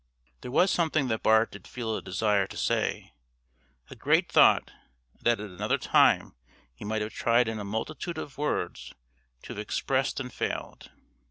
There was something that Bart did feel a desire to say a great thought that at another time he might have tried in a multitude of words to have expressed and failed.